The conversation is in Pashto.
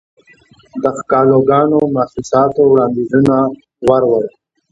دښکالوګانو، محسوساتووړاندیزونه وروړو